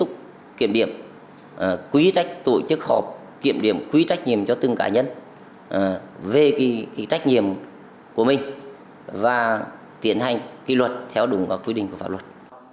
các tổ chức cá nhân về trách nhiệm của mình và tiến hành luật theo đúng quy định của pháp luật